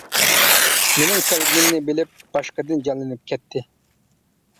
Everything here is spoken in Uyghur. مېنىڭ كەلگىنىمنى بىلىپ، باشقىدىن جانلىنىپ كەتتى.